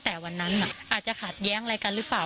แต่วันนั้นอาจจะขัดแย้งอะไรกันหรือเปล่า